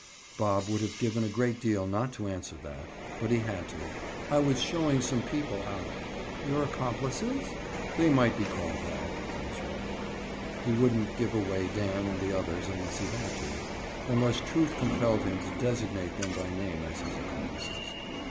Bob would have given a great deal not to answer that, but he had to. "I was showing some people out." "Your accomplices?" "They might be called that." Miserably. He wouldn't "give away" Dan and the others, unless he had to—unless truth compelled him to designate them by name as his accomplices.